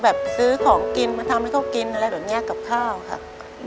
ซื้อของกินมาทำให้เขากินอะไรแบบนี้กับข้าวค่ะ